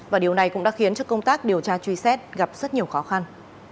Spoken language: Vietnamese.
và điều này cũng đã khiến cho công tác điều tra truy xét gặp rất nhiều khó khăn